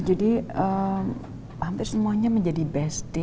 jadi hampir semuanya menjadi besti